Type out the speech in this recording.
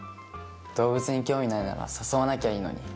動物園に興味ないなら誘わなきゃいいのに。